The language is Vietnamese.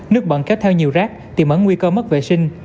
nước bận kéo theo nhiều rác tìm ấn nguy cơ mất vệ sinh